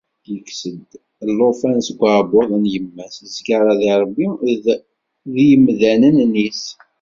yekkes-d llufan seg uɛebbuḍ n yemma-s zkara di Rebbi d yimdanen-is.